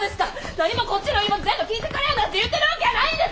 なにもこっちの言い分全部聞いてくれなんて言ってるわけやないんです！